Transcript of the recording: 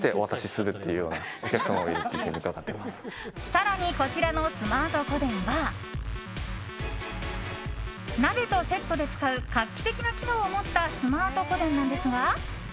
更に、こちらのスマート個電は鍋とセットで使う画期的な機能を持ったスマート個電なんですが。